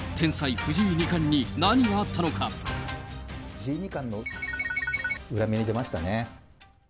藤井二冠の×××が裏目に出ましたね。